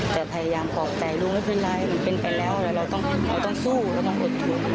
แต่พยายามบอกใจลูกไม่เป็นไรมันเป็นไปแล้วแล้วเราต้องสู้แล้วต้องอดทุน